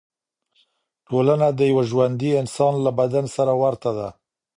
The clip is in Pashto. ټولنه د یو ژوندي انسان له بدن سره ورته ده.